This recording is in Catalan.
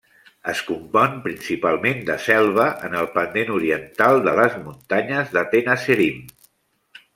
Es compon principalment de selva en el pendent oriental de les muntanyes de Tenasserim.